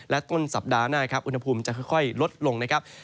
และต้นสัปดาห์หน้าอุณหภูมิจะค่อยลดลง